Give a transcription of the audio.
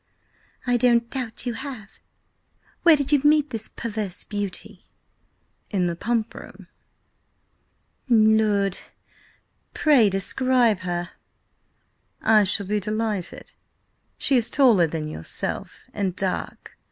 "I don't doubt you have. Where did you meet this perverse beauty?" "In the Pump Room." "Lud! Pray, describe her." "I shall be delighted. She is taller than yourself, and dark.